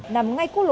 nằm ngay cuối lộ một